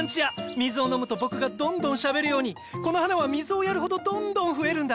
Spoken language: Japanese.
水を飲むと僕がどんどんしゃべるようにこの花は水をやるほどどんどん増えるんだ。